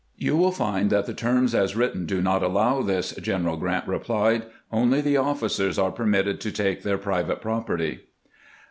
" You will find that the terms as written do not allow this," General Grant replied ;" only the officers are per mitted to take their private property."